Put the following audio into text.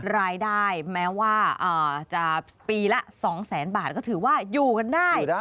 รายได้แม้ว่าจะปีละ๒แสนบาทก็ถือว่าอยู่กันได้